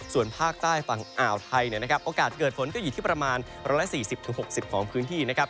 ส่วนภาคใต้ฝั่งอ่าวไทยโอกาสเกิดฝนก็อยู่ที่ประมาณ๑๔๐๖๐ของพื้นที่นะครับ